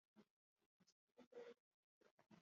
biremeye ishusho mu cyuma gishongeshejwe!